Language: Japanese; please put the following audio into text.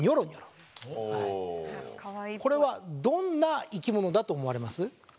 これはどんな生き物だと思われます？